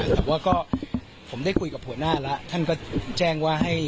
แต่ว่าก็ผมได้คุยกับหัวหน้าแล้วท่านก็แจ้งว่าให้